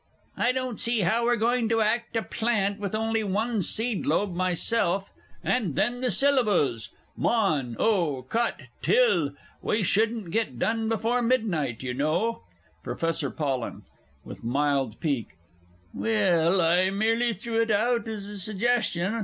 I don't see how we're going to act a plant with only one seed lobe myself and then the syllables "mon" "oh" "cot" "till" we shouldn't get done before midnight, you know! PROF. POLLEN (with mild pique). Well, I merely threw it out as a suggestion.